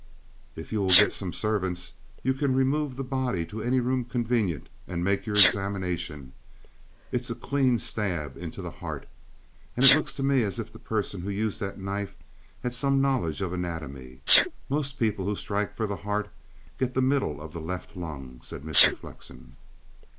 "If you will get some of the servants, you can remove the body to any room convenient and make your examination. It's a clean stab into the heart, and it looks to me as if the person who used that knife had some knowledge of anatomy. Most people who strike for the heart get the middle of the left lung," said Mr. Flexen.